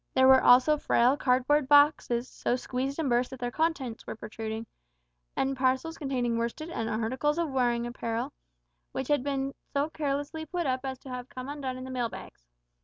There were also frail cardboard boxes, so squeezed and burst that their contents were protruding, and parcels containing worsted and articles of wearing apparel, which had been so carelessly put up as to have come undone in the mail bags.